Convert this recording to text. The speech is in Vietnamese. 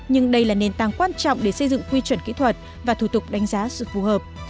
nhưng đây là nền tảng quan trọng để xây dựng quy chuẩn kỹ thuật và thủ tục đánh giá sự phù hợp